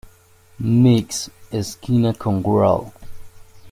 Meeks esquina con Gral.